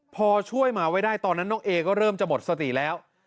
พอช่วยหมาไว้ได้ตอนนั้นน้องเอก็เริ่มจะหมดสติแล้ว